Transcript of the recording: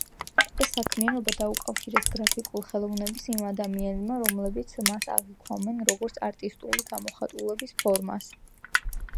ეს საქმიანობა დაუკავშირეს გრაფიკულ ხელოვნებას იმ ადამიანებმა, რომლებიც მას აღიქვამენ, როგორც არტისტული გამოხატულების ფორმას.